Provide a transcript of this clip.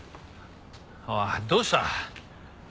おいどうした？